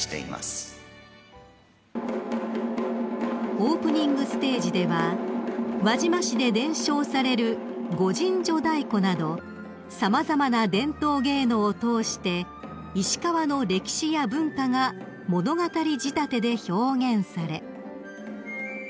［オープニングステージでは輪島市で伝承される御陣乗太鼓など様々な伝統芸能を通して石川の歴史や文化が物語仕立てで表現され］